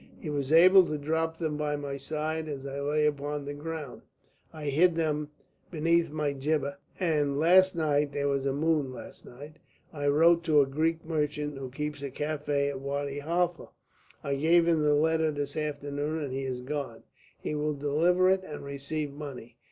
He was able to drop them by my side as I lay upon the ground. I hid them beneath my jibbeh, and last night there was a moon last night I wrote to a Greek merchant who keeps a café at Wadi Halfa. I gave him the letter this afternoon, and he has gone. He will deliver it and receive money.